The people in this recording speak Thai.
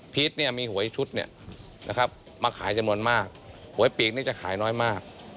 พีชมีหวยชุดมาขายจำนวนมากหวยปีกจะขายน้อยมาก